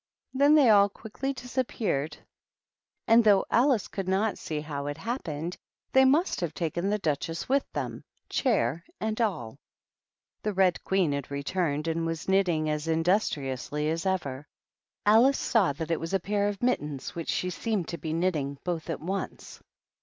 " Then they all quickly disappeared, and though THE RED QUEEN AND THE DUCHESS. 135 Alice could not see how it happened, they must have taken the Duchess with them, chair and all. The Red Queen had returned, and was knitting as industriously as ever. Alic^ saw that it was a pair of mittens which she seemed to be knitting both at once.